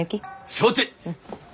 承知！